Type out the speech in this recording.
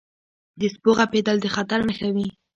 • د سپو غپېدل د خطر نښه وي.